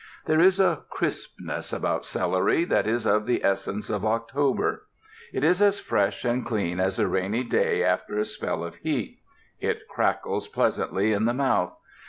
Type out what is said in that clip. There is a crispness about celery that is of the essence of October. It is as fresh and clean as a rainy day after a spell of heat. It crackles pleasantly in the mouth.